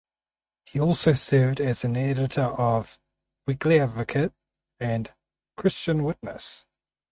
He also served as an editor of "Weekly Advocate" and "Christian Witness".